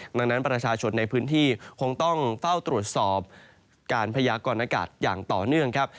ดังนั้นประชาชนในพื้นที่คงต้องเฝ้าตรวจสอบการพยากรณากาศอย่างต่อเนื่องครับ